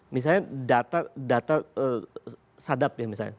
misalnya data sadap ya misalnya